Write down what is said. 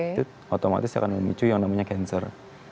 itu otomatis akan memicu yang namanya cancer